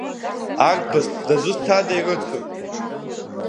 Арԥыс дызусҭада ирыцу?